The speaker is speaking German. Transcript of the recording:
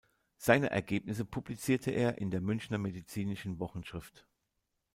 Seine Ergebnisse publizierte er in der Münchner Medizinischen Wochenschrift.